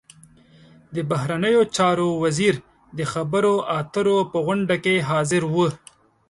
د بهرنیو چارو وزیر د خبرو اترو په غونډه کې حاضر و.